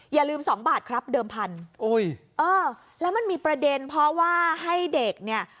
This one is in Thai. อย่าลืมสองบาทครับเดิมพันโอ้ยเออแล้วมันมีประเด็นเพราะว่าให้เด็กเนี่ย